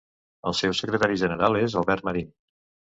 El seu Secretari General és Albert Marín.